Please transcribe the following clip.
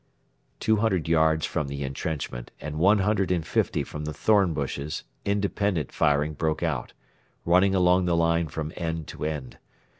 Two hundred yards from the entrenchment and one hundred and fifty from the thorn bushes independent firing broke out, running along the line from end to end.